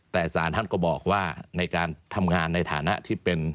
แต่สารท่านก็บอกว่าในการทำงานในฐานะที่เป็น